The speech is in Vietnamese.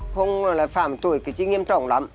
không là phạm tội cái chứ nghiêm trọng lắm